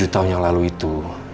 tujuh tahun yang lalu itu